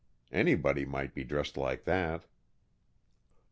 Anybody might be dressed like that."